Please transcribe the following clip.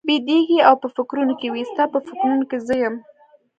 بېدېږي او په فکرونو کې وي، ستا په فکرونو کې زه یم؟